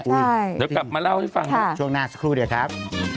เดี๋ยวกลับมาเล่าให้ฟังช่วงหน้าสักครู่เดี๋ยวครับ